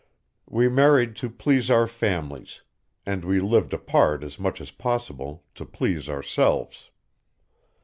We married to please our families, and we lived apart as much as possible to please ourselves.